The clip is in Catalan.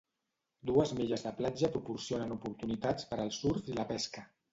Dues milles de platja proporcionen oportunitats per al surf i la pesca.